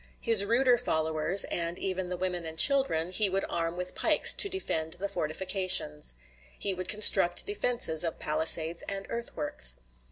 His ruder followers, and even the women and children, he would arm with pikes to defend the fortifications. He would construct defenses of palisades and earth works.